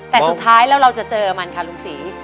แต่สุดท้ายแล้วเราจะเจอมันค่ะลุงศรี